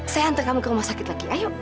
saya antar kamu ke rumah sakit lagi ayo